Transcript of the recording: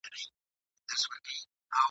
انسانان چي له غوایانو په بېلېږي !.